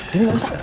dewi enggak usah